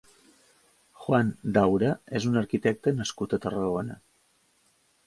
Juan Daura és un arquitecte nascut a Tarragona.